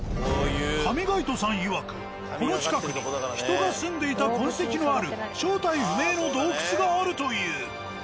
上垣内さんいわくこの近くに人が住んでいた痕跡のある正体不明の洞窟があるという。